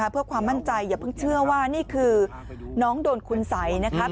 เพื่อความมั่นใจอย่าเพิ่งเชื่อว่านี่คือน้องโดนคุณสัยนะครับ